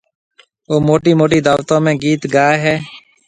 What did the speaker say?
او موٽِي موٽِي دعوتون ۾ گِيت گائي هيَ۔